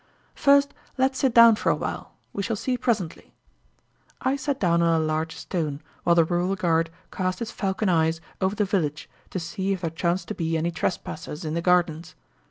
"First, let's sit down for a while. We shall see presently." I sat down on a large stone, while the rural guard cast his falcon eyes over the village to see if there chanced to be any trespassers in the gardens.